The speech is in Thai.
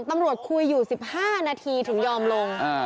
ตำรวจคุยอยู่๑๕นาทีถึงยอมลง